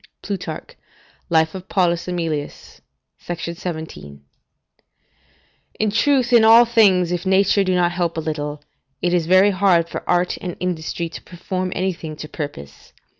Plutarch, Life of Paulus Aemilius, c. 17; Cicero, Tusc., v. 40.] In truth, in all things, if nature do not help a little, it is very hard for art and industry to perform anything to purpose.